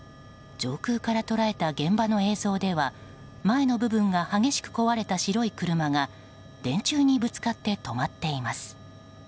上空から捉えた現場の映像では前の部分が激しく壊れた白い車が電柱にぶつかって止まっています。